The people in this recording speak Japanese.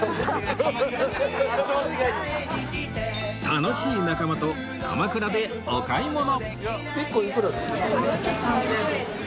楽しい仲間と鎌倉でお買い物